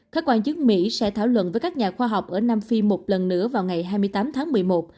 các quan chức mỹ sẽ thảo luận với các nhà khoa học ở nam phi một lần nữa vào ngày hai mươi tám tháng một mươi một